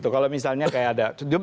kalau misalnya kayak ada